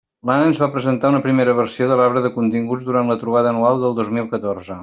L'Anna ens va presentar una primera versió de l'arbre de continguts durant la trobada anual del dos mil catorze.